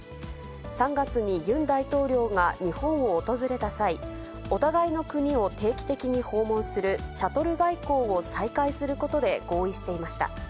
３月にユン大統領が日本を訪れた際、お互いの国を定期的に訪問する、シャトル外交を再開することで合意していました。